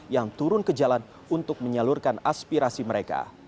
yang turun ke jalan untuk menyalurkan aspirasi mereka